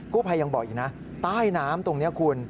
ผู้ภัยยังบอกอีกนะใต้น้ำตรงนี้คุณ